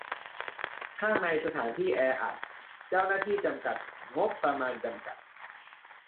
ข้างในสถานที่แออัด เจ้าหน้าที่จำกัด งบประมาณจำกัด